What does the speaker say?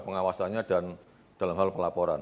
pengawasannya dan dalam hal pelaporan